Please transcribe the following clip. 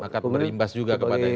akad merimbas juga kepadanya